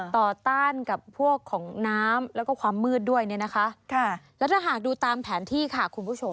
ต่อต้านกับพวกของน้ำแล้วก็ความมืดด้วยนะคะ